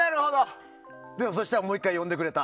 そうしたらもう１回呼んでくれた。